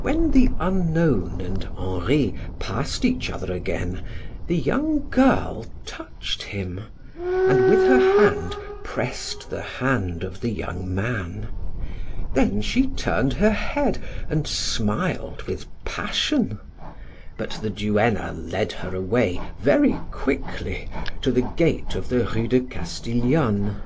When the unknown and Henri passed each other again, the young girl touched him, and with her hand pressed the hand of the young man. Then she turned her head and smiled with passion, but the duenna led her away very quickly to the gate of the Rue de Castiglione.